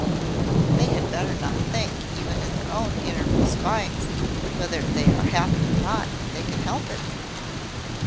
"They had better not think, even in their own innermost minds, whether they are happy or not, if they can help it."